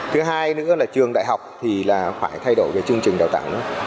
thứ hai nữa là trường đại học thì là phải thay đổi về chương trình đào tạo